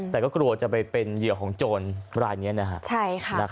แต่ก็กลัวจะไปเป็นเหยื่อของโจรรายนี้นะครับ